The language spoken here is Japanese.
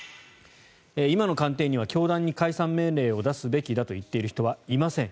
今の官邸には教団に解散命令を出すべきだと言っている人はいません